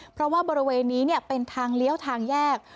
เพราะว่าบริเวณนี้เป็นทางเลี้ยวทางแยก